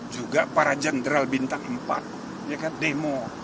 juga para jenderal bintang empat demo